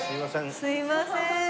すいません。